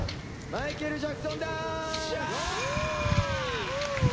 マイケル・ジャクソンダンス！